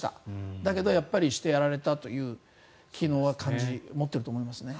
だけどやっぱりしてやられたという昨日は感じ、持っていると思いますね。